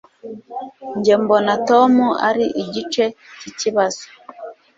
Njye mbona Tom ari igice cyikibazo.